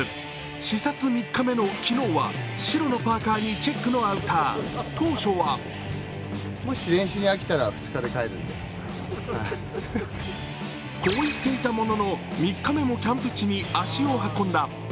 視察３日目の昨日は、白のパーカにチェックのアウター、当初はこういって言ったものの、３日目もキャンプ地に足を運んだ。